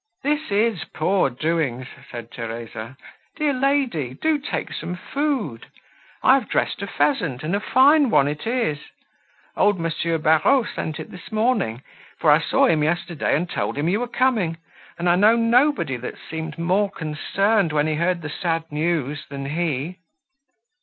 "This is poor doings!" said Theresa. "Dear lady! do take some food! I have dressed a pheasant, and a fine one it is. Old Monsieur Barreaux sent it this morning, for I saw him yesterday, and told him you were coming. And I know nobody that seemed more concerned, when he heard the sad news, then he."